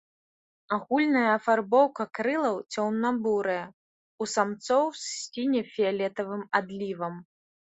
Агульная афарбоўка крылаў цёмна-бурая, у самцоў з сіне-фіялетавым адлівам.